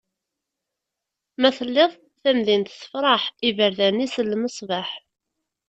Ma telliḍ tamdint tefreḥ, iberdan-is d lmesbaḥ.